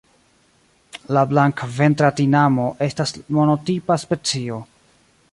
La Blankventra tinamo estas monotipa specio.